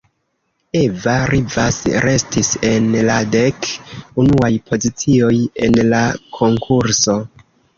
Eva Rivas restis en la dek unuaj pozicioj en la konkurso.